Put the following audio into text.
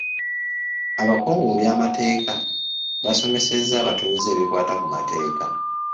Abakungu mu by'amateeka baasomesezza abatuuze ebikwata ku mateeka.